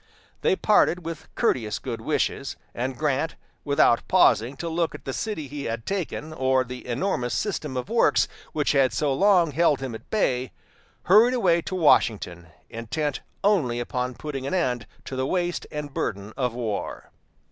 They parted with courteous good wishes, and Grant, without pausing to look at the city he had taken, or the enormous system of works which had so long held him at bay, hurried away to Washington, intent only upon putting an end to the waste and burden of war.